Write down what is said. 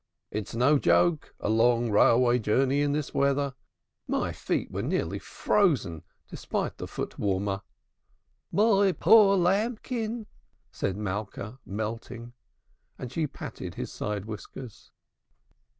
It's no joke, a long railway journey this weather. My feet were nearly frozen despite the foot warmer." "My poor lambkin," said Malka, melting. And she patted his side whiskers.